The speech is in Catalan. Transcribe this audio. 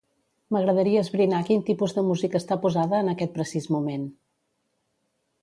M'agradaria esbrinar quin tipus de música està posada en aquest precís moment.